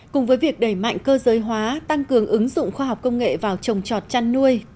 cùng với việc đẩy mạnh cơ giới hóa tăng cường ứng dụng khoa học công nghệ vào trồng trọt chăn nuôi